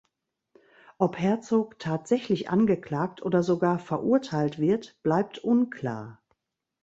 Ob Herzog tatsächlich angeklagt oder sogar verurteilt wird, bleibt unklar.